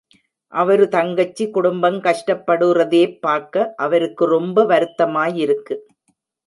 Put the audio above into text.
அவரு தங்கச்சி குடும்பங் கஷ்டப்படுறதேப் பாக்க அவருக்கு ரொம்ப வருத்தமாயிருக்கு.